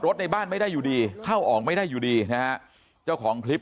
ในบ้านไม่ได้อยู่ดีเข้าออกไม่ได้อยู่ดีนะฮะเจ้าของคลิป